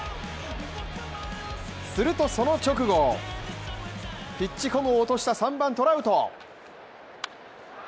するとその直後ピッチコムを落とした３番・トラウト。